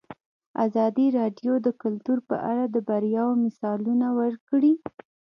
ازادي راډیو د کلتور په اړه د بریاوو مثالونه ورکړي.